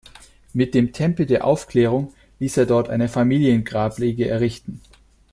Mit dem Tempel der Aufklärung ließ er dort eine Familiengrablege errichten.